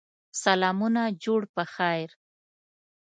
سلامونه جوړ په خیر!